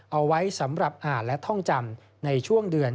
เอาไว้สำหรับอ่านและท่องจำในช่วงเดือน